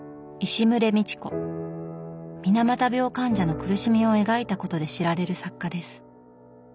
水俣病患者の苦しみを描いたことで知られる作家です。